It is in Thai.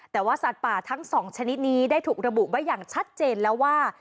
แต่ว่าสัตว์ป่าทั้ง๒ชนิดนี้ได้ถูกระบุไว้อย่างชัดเจนแล้วว่า